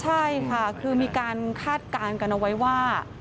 ใช่ค่ะคือมีการคาดการณ์กันเอาไว้ว่า